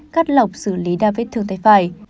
cắt lọc xử lý đa vết thương tay phải